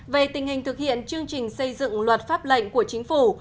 về tình hình thực hiện chương trình xây dựng luật pháp lệnh của chính phủ